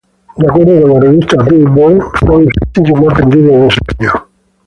De acuerdo a la revista "Billboard", fue el sencillo más vendido de ese año.